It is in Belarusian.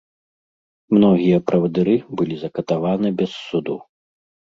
Многія правадыры былі закатаваны без суду.